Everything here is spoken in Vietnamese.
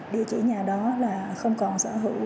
địa chỉ nhà đó là không còn sở hữu